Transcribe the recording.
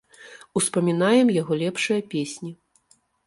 Успамінаем яго лепшыя песні.